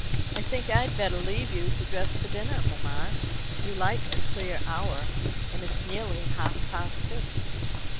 "I think I'd better leave you to dress for dinner, mamma. You like a clear hour, and it's nearly half past six."